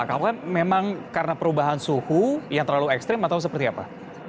apakah itu keadaan suhu yang terlalu ekstrim atau seperti apa